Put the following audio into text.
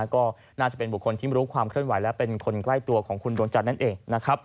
ก็น่าจะเป็นบุคคลที่รู้ความเคลื่อนไหวและเป็นคนใกล้ตัวของคุณดวงจันทร์นั่นเองนะครับ